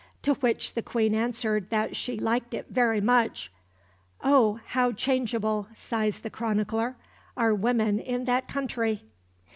To which the Queen answered that she liked it very much "oh, how changeable," sighs the chronicler, "are women in that country!"